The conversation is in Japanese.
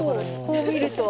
こう見ると。